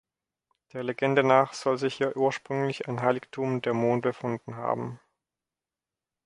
Der Legende nach soll sich hier ursprünglich ein Heiligtum der Mon befunden haben.